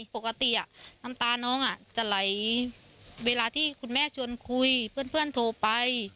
ปกติน้ำตาน้องจะไหลเวลาที่คุณแม่ชวนคุยเพื่อนโทรไป